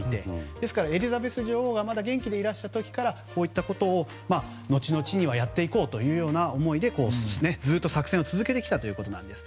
ですから、エリザベス女王が元気でいらした時からこういったことを後々にはやっていこうという思いでずっと作戦を続けてきたということなんです。